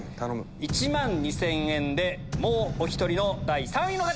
１万２０００円でもうお１人の第３位の方！